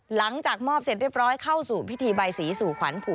หลังจากมอบเสร็จเรียบร้อยเข้าสู่พิธีใบสีสู่ขวัญผู